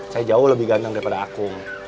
saya jauh lebih ganteng daripada aku